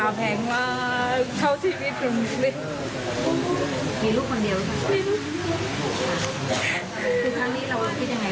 บทพลังค์แล้วก็เรียกว่าราคาแพงมาก